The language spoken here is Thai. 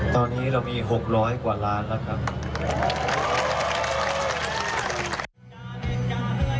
ตอนนี้เรามีหกร้อยกว่าล้านละครับ